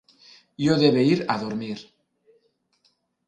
Io debe ir a dormir.